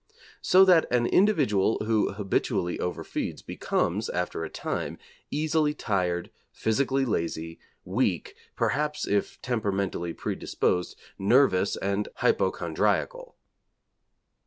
So that an individual who habitually overfeeds becomes, after a time, easily tired, physically lazy, weak, perhaps if temperamentally predisposed, nervous and hypochondriacal.